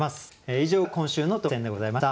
以上が今週の特選でございました。